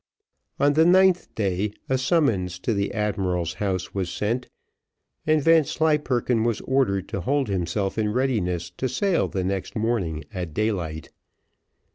On the ninth day, a summons to the admiral's house was sent, and Vanslyperken was ordered to hold himself in readiness to sail the next morning at daylight.